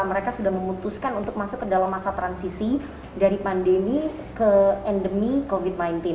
mereka sudah memutuskan untuk masuk ke dalam masa transisi dari pandemi ke endemi covid sembilan belas